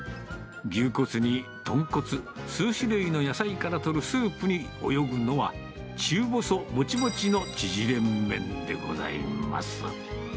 牛骨に豚骨、数種類の野菜からとるスープに泳ぐのは、中細もちもちの縮れ麺でございます。